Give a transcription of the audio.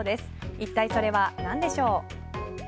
一体それは何でしょう。